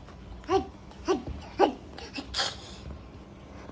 はい！